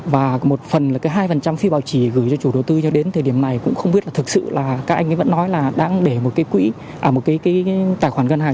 và một phần là cái hai phi báo chỉ gửi cho chủ đầu tư cho đến thời điểm này cũng không biết là thực sự là các anh ấy vẫn nói là đang để một cái tài khoản gân hàng